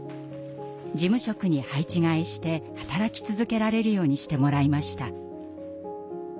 事務職に配置換えして働き続けられるようにしてもらいました。